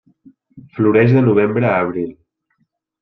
Floreix de novembre a abril.